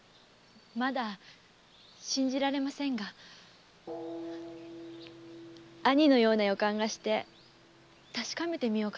まだ信じられませんが兄のような予感がして確かめてみようかと。